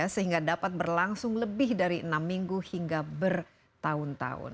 sehingga dapat berlangsung lebih dari enam minggu hingga bertahun tahun